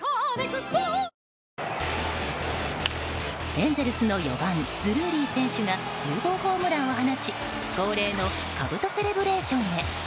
エンゼルスの４番ドゥルーリー選手が１０号ホームランを放ち恒例のかぶとセレブレーションへ。